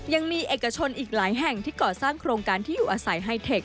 ยังมีเอกชนอีกหลายแห่งที่ก่อสร้างโครงการที่อยู่อาศัยไฮเทค